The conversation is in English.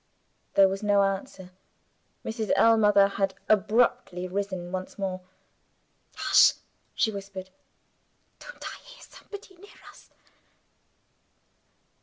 There was no answer; Mrs. Ellmother had abruptly risen once more. "Hush!" she whispered. "Don't I hear somebody near us?"